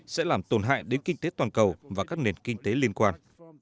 sẽ làm tổn hại đến kinh tế toàn cầu và các nền kinh tế liên quan